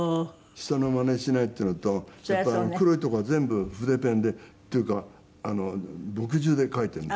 人のマネしないっていうのと黒い所は全部筆ペンでっていうか墨汁で描いているんですよ。